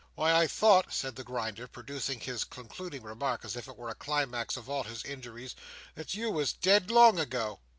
Why, I thought," said the Grinder, producing his concluding remark as if it were the climax of all his injuries, "that you was dead long ago!"